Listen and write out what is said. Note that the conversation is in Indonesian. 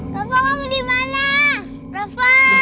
raff kamu dimana raff